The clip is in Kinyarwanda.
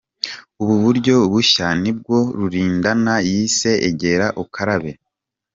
Ubu buryo bushya nibwo Rulindana yise’Egera ukarabe’.